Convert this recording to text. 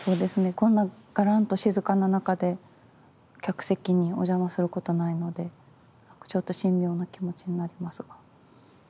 こんながらんと静かな中で客席にお邪魔することないのでちょっと神妙な気持ちになりますが。